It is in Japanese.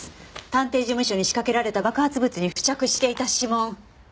探偵事務所に仕掛けられた爆発物に付着していた指紋。